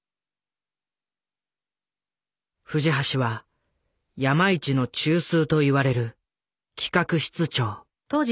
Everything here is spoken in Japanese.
藤橋は山一の中枢といわれる企画室長。